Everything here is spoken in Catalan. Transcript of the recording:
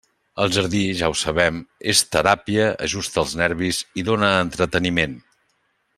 El jardí, ja ho sabem, és teràpia, ajusta els nervis i dóna entreteniment.